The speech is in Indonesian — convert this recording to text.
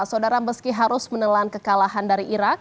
saudara meski harus menelan kekalahan dari irak